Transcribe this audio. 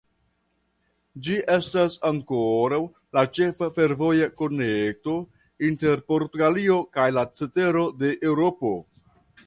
Ĝi estas ankoraŭ la ĉefa fervoja konekto inter Portugalio kaj la cetero de Eŭropo.